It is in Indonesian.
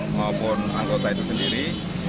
maupun anggota itu sendiri